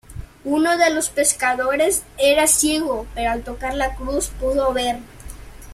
Uno de los pescadores era ciego, pero al tocar la cruz pudo ver.